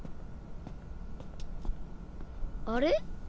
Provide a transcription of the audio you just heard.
あれ？